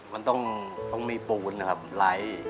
มันต้องมีปูนครับไล่